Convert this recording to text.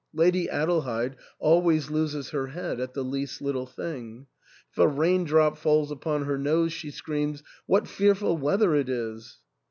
Lady Adel heid always loses her head at the least little thing. If a rain drop falls upon her nose, she screams, * What fearful weather it is